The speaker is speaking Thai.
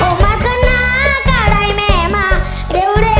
โอ้มัธนาก็ได้แม่มา